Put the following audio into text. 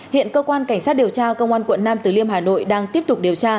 hiện cơ quan cảnh sát điều tra công an quận nam từ liêm hà nội đang tiếp tục điều tra